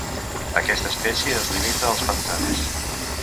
Aquesta espècie es limita als pantans.